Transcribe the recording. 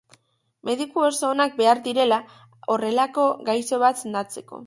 Mediku oso onak behar direla horrelako gaixo bat sendatzeko.